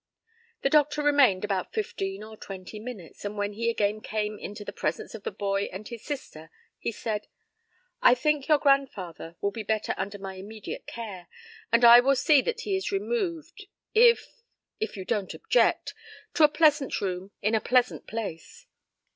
The doctor remained about fifteen or twenty minutes, and when he again came into the presence of the boy and his sister, he said: "I think your grandfather will be better under my immediate care, and I will see that he is removed if if you don't object to a pleasant room in a pleasant place."